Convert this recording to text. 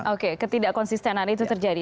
oke ketidak konsistenan itu terjadi